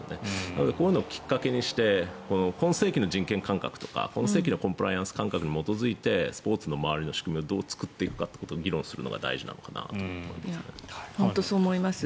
なのでこういうのをきっかけにして今世紀の人権感覚とか今世紀のコンプライアンス感覚に基づいてスポーツの周りの仕組みをどう作っていくかというのを議論するのが大事なのかなと思います。